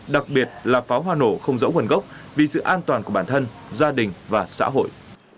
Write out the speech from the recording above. đặc biệt là pháo hoa nổ không rõ nguồn gốc vì sự an toàn của bản thân gia đình và xã hội